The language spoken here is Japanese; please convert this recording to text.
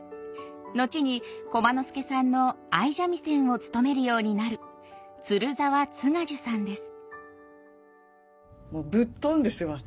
後に駒之助さんの相三味線を務めるようになる鶴澤津賀寿さんです。